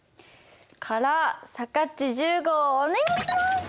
からさかっち１０号お願いします。